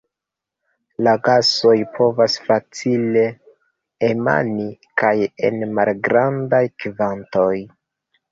La gasoj povas facile emani kaj en malgrandaj kvantoj.